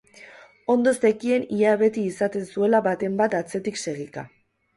Ondo zekien ia beti izaten zuela baten bat atzetik segika.